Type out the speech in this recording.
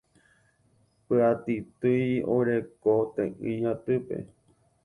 Py'atytýipe oguereko te'ỹi atýpe.